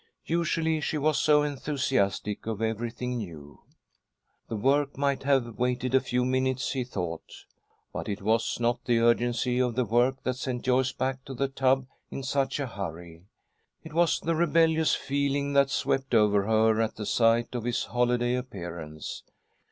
Usually she was so enthusiastic over everything new. The work might have waited a few minutes, he thought. But it was not the urgency of the work that sent Joyce back to the tubs in such a hurry. It was the rebellious feeling that swept over her at the sight of his holiday appearance.